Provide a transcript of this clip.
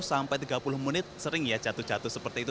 sampai tiga puluh menit sering ya jatuh jatuh seperti itu